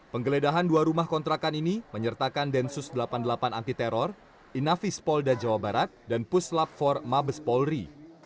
penggeledahan dua rumah kontrakan ini menyertakan densus delapan puluh delapan anti teror inafis polda jawa barat dan puslap empat mabes polri